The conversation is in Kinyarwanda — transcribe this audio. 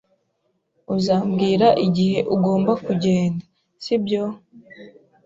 Uzambwira igihe ugomba kugenda, sibyo?